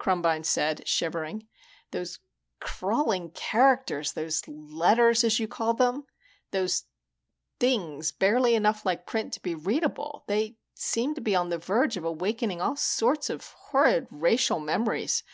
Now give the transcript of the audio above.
Krumbine said, shivering. "Those crawling characters, those letters, as you call them, those things barely enough like print to be readable they seem to be on the verge of awakening all sorts of horrid racial memories.